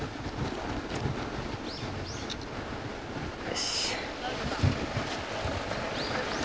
よし。